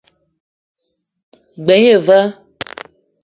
G-beu gne va.